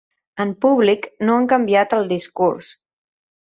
En públic no han canviat el discurs.